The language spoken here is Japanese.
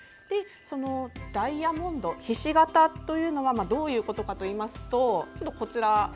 ダイヤモンドひし形というのはどういうことかといいますと。